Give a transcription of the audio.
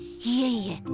いえいえ。